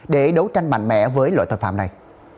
để đấu tranh mạnh mẽ với loại tội phạm này